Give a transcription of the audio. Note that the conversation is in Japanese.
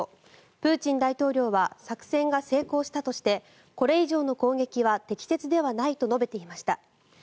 プーチン大統領は作戦が成功したとしてこれ以上の攻撃は適切ではないと述べていました。